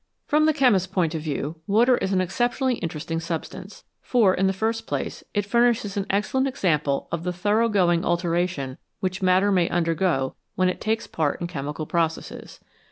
From the chemist's point of view, water is an ex ceptionally interesting substance. For, in the first place, it furnishes an excellent example of the thorough going alteration which matter may undergo when it takes part in chemical processes.